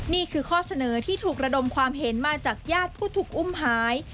นี่คือข้อเสนอที่ถูกระดมความเห็นมาจากญาติผู้ถูกอุ้มหาย